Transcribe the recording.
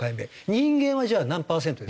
人間はじゃあ何パーセントですか？